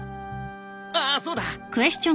あっそうだ。